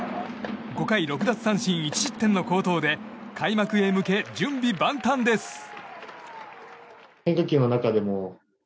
５回６奪三振１失点の好投で開幕へ向け準備万端です。